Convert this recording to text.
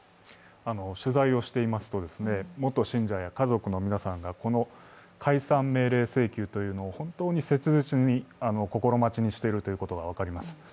取材をしていますと、元信者や家族の皆さんがこの解散命令請求というのを本当に切実に心待ちにしているというのが分かります。